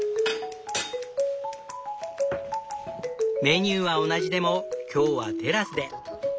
メニューは同じでも今日はテラスで。